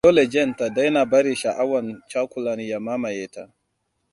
Dole Jane ta daina bari sha'awan cakulan ya mamaye ta.